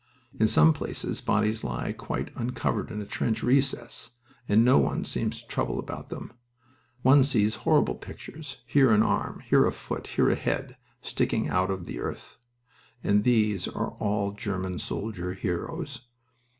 In some places bodies lie quite uncovered in a trench recess, and no one seems to trouble about them. One sees horrible pictures here an arm, here a foot, here a head, sticking out of the earth. And these are all German soldiers heroes!